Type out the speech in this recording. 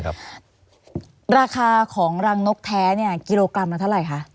ราคาของรังนกแท้เนี่ยกิโลกรัมละเท่าไหร่คะ